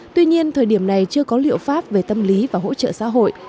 tuy nhiên thời điểm này chưa có liệu pháp về tâm lý và hỗ trợ xã hội